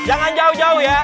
jangan jauh jauh ya